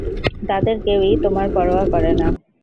তাদের কেউই তোমার পরোয়া করে না।